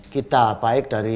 kita baik dari